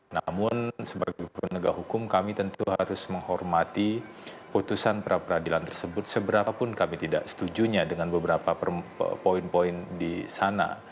namun sebagai penegak hukum kami tentu harus menghormati putusan pra peradilan tersebut seberapapun kami tidak setujunya dengan beberapa poin poin di sana